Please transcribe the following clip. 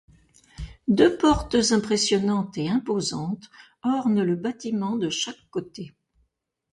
Deux portes impressionnantes et imposantes ornent le bâtiment de chaque côté.